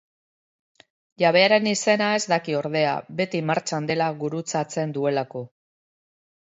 Jabearen izena ez daki ordea, beti martxan dela gurutzarzen duelako.